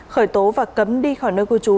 khởi tố và cấm đi khỏi nơi cư trú